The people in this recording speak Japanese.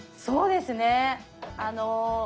そうですねあの。